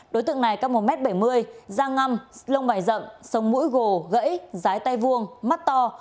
đối tượng này cấp một m bảy mươi da ngâm lông bảy rậm sông mũi gồ gãy rái tay vuông mắt to